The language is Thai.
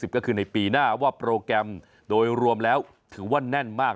ก็คือในปีหน้าว่าโปรแกรมโดยรวมแล้วถือว่าแน่นมาก